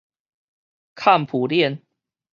崁浮輪